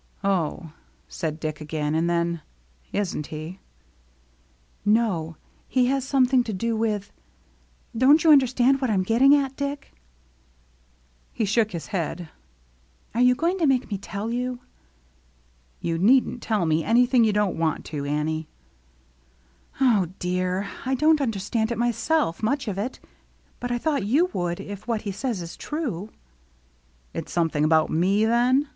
" Oh," said Dick again. And then, " Isn't he?" " No, he has something to do with — don't you understand what I'm getting at, Dick ?" He shook his head. " Are you going to make me tell you ?" "You needn't tell me anything you don't want to, Annie." "O dear, I don't understand it myself, much of it ; but I thought you would if what he says is true." " It's something about me, then